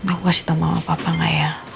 aku kasih tau mama papa gak ya